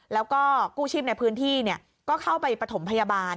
แล้วก็กู้ชีพในพื้นที่ก็เข้าไปปฐมพยาบาล